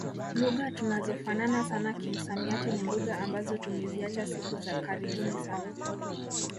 Lugha tunazofanana sana kimsamiati ni lugha ambazo tumeziacha siku za karibuni sana